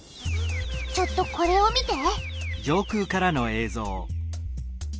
ちょっとこれを見て。